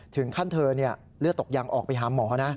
ถึงขั้นเธอเลือดตกยังออกไปหาหมอนะ